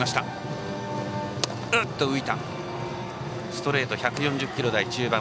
ストレートは１４０キロ台中盤。